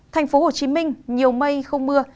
thành phố hồ chí minh nhiều mây không mưa